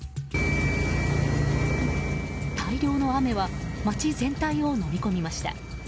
大量の雨は街全体をのみ込みました。